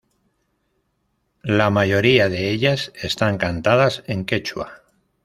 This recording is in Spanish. La mayoría de ellas están cantadas en quechua.